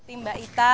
ini mbak ita